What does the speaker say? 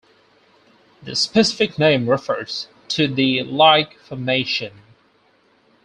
The specific name refers to the Ilike Formation.